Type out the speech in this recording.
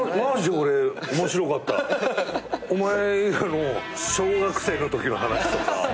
お前らの小学生のときの話とか。